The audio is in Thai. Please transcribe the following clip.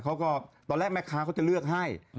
ตอนแรกแม่ค้าเขาจะเลือกให้